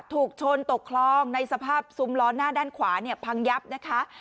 ถูกชนตกคลองในสภาพซุ้มล้อหน้าด้านขวาเนี่ยพังยับนะคะ